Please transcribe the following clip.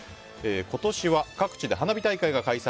今年は各地で花火大会が開催。